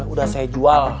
sudah saya jual